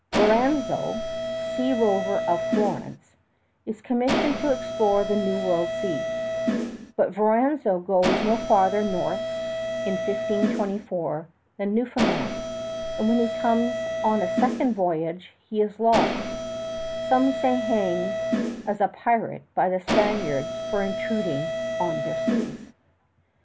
Verrazano, sea rover of Florence, is commissioned to explore the New World seas; but Verrazano goes no farther north in 1524 than Newfoundland, and when he comes on a second voyage he is lost some say hanged as a pirate by the Spaniards for intruding on their seas.